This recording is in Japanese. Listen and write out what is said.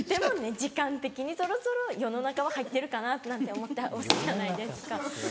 時間的にそろそろ世の中は入ってるかなって思って押すじゃないですか。